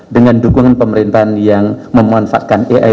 dengan dukungan pemerintahan yang memanfaatkan aib